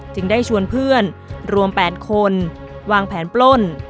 จึงได้ชวนเพื่อนรวม๘คนวางแผนปล้น